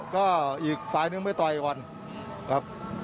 เยี่ยมมากครับ